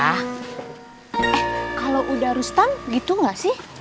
eh kalau uda rustam gitu nggak sih